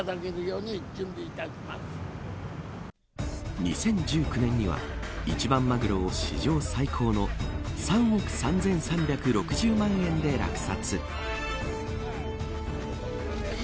２０１９年には一番マグロを史上最高の３億３３６０万円で落札。